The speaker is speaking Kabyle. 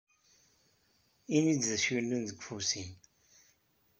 Ini-d d acu yellan deg ufus-im.